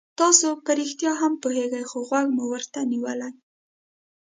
تاسو په رښتیا هم پوهېږئ خو غوږ مو ورته نیولی.